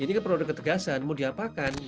ini kan produk ketegasan mau diapakan